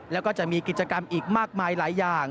แล้วก็จะมีกิจกรรมอีกมากมายหลายอย่าง